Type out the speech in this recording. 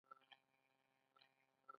کمربند ولې وتړو؟